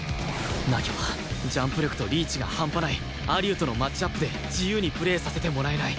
凪はジャンプ力とリーチがハンパない蟻生とのマッチアップで自由にプレーさせてもらえない